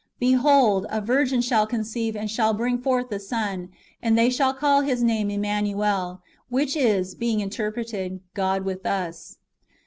""'' Behold, a virgin shall con ceive, and shall bring forth a son, and they shall his name Emmanuel ; which is, being interpreted, God with us."